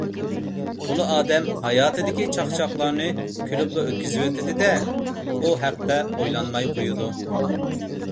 تولا ئادەم ھاياتتىكى چاقچاقلارنى كۈلۈپلا ئۆتكۈزۈۋېتىدۇ ـ دە، ئۇ ھەقتە ئويلانماي قويىدۇ.